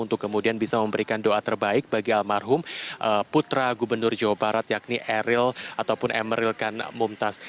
untuk kemudian bisa memberikan doa terbaik bagi almarhum putra gubernur jawa barat yakni eril ataupun emeril kan mumtaz